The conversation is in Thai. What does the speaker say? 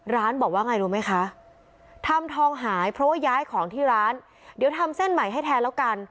ร้านบอกว่าไงรู้ไหมคะทำทองหายเพราะว่าย้ายของที่ร้านเดี๋ยวทำเส้นใหม่ให้แทนแล้วกัน